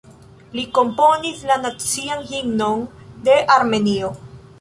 Li komponis la Nacian Himnon de Armenio.